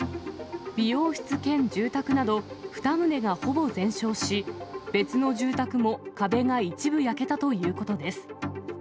美容室兼住宅など２棟がほぼ全焼し、別の住宅も壁が一部焼けたということです。